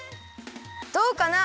どうかな？